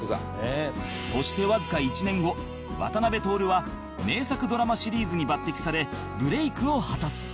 そしてわずか１年後渡辺徹は名作ドラマシリーズに抜擢されブレイクを果たす